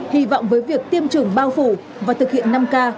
hy vọng với việc tiêm chủng bao phủ và thực hiện năm k